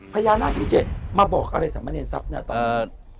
พญานาคทั้ง๗มาบอกอะไรสำเนียนทรัพย์เนี่ยตอนนี้